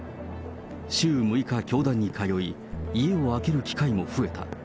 週６日教団に通い、家を空ける機会も増えた。